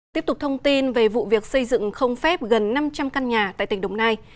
tiếp tục thông tin về vụ việc xây dựng không phép gần năm trăm linh căn nhà tại tỉnh đồng nai